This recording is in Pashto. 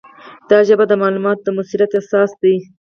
دا ژبه د معلوماتو د موثریت اساس ده.